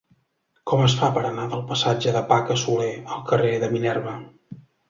Com es fa per anar del passatge de Paca Soler al carrer de Minerva?